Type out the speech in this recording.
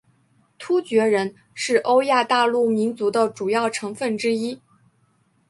突厥人是欧亚大陆民族的主要成份之一。